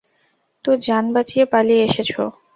তো, জান বাঁচিয়ে পালিয়ে এসেছো?